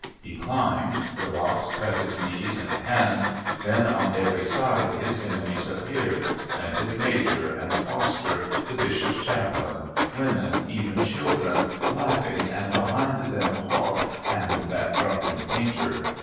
He climbed, the rocks cut his knees and hands; then, on every side his enemies appeared, Bentinck Major and Foster, the Bishop's Chaplain, women, even children, laughing, and behind them Hogg and that drunken painter.